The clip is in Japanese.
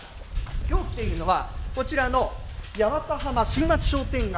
きょう来ているのは、こちらの八幡浜新町商店街。